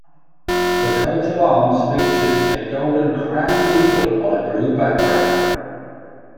The coat of arms features a golden crowned eagle on a blue background.